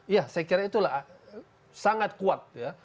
ya saya kira itulah sangat kuat ya